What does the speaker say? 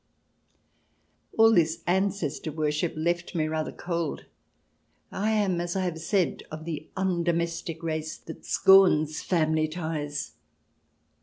All this ancestor worship left me rather cold ; I am, as I have said, of the undomestic race that scorns family ties.